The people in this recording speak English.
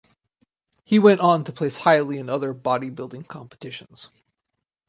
He went on to place highly in other bodybuilding competitions.